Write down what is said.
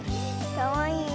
かわいいよ。